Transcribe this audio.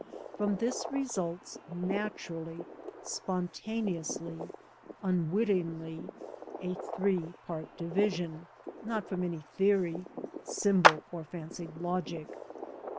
From this results, naturally, spontane ously, unwittingly, a three part division, ŌĆö not from any theory, symbol, or fancied logic.